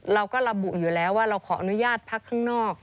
เราก็ระบุอยู่แล้วว่าเราขออนุญาตพักข้างนอก